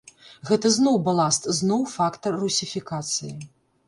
Гэта зноў баласт, зноў фактар русіфікацыі.